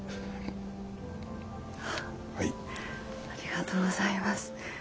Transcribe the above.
ありがとうございます。